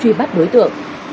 truy bắt đối tượng